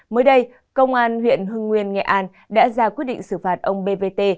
mới đây công an huyện hưng nguyên nghệ an đã ra quyết định xử phạt ông bvt